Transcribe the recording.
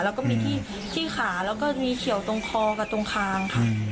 แล้วก็มีที่ขาแล้วก็มีเขียวตรงคอกับตรงคางค่ะ